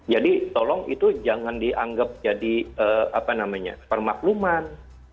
jadi tolong itu jangan dianggap jadi apa namanya permakluman